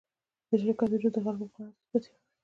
د شرکت وجود د خلکو په قناعت کې پاتې و.